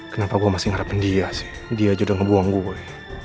kenapa gue masih ngarepin dia sih dia aja udah ngebuang gue